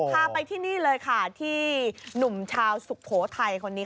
พาไปที่นี่เลยค่ะที่หนุ่มชาวสุโขทัยคนนี้